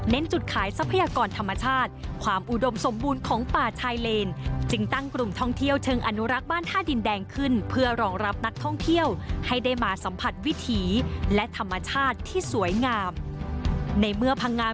เน้นจุดขายทรัพยากรธรรมชาติความอุดมสมบูรณ์ของป่าชายเลน